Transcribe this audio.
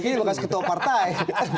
rocky bekas ketua partai